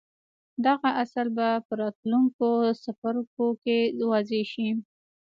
دغه اصل به په راتلونکو څپرکو کې واضح شي.